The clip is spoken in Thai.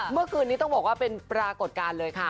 เมื่อคืนนี้ต้องบอกว่าเป็นปรากฏการณ์เลยค่ะ